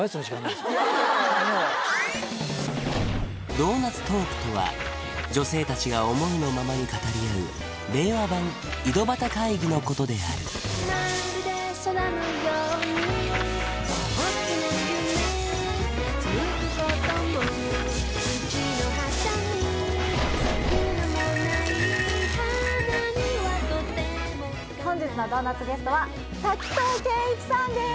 ドーナツトークとは女性達が思いのままに語り合う令和版井戸端会議のことである本日のドーナツゲストは滝藤賢一さんです